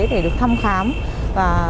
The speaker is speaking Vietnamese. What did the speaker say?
để được thăm khám và